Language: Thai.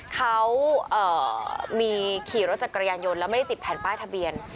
เขามีขี่รถจักรยานยนต์แล้วไม่ได้ติดแผ่นป้ายทะเบียน